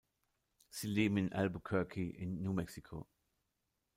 Sie leben in Albuquerque in New Mexico.